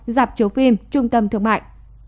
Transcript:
dạp chiếu phim trung tâm thương mại